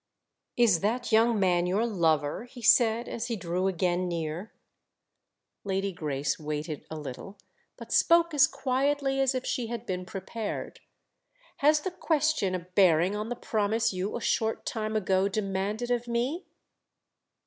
"Is that young man your lover?" he said as he drew again near. Lady Grace waited a little, but spoke as quietly as if she had been prepared. "Has the question a bearing on the promise you a short time ago demanded of me?"